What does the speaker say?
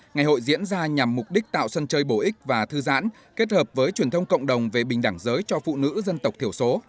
ngày hội diễn ra nhằm mục đích tạo sân chơi bổ ích và thư giãn kết hợp với truyền thông cộng đồng về bình đẳng giới cho phụ nữ dân tộc thiểu số